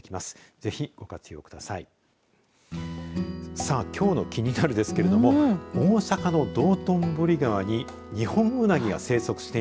ぜひご活用ください。